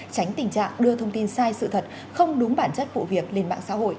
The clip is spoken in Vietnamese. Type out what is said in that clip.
tránh tình trạng đưa thông tin sai sự thật không đúng bản chất vụ việc lên mạng xã hội